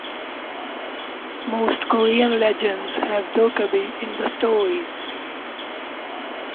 Most Korean legends have Dokkaebi in the stories.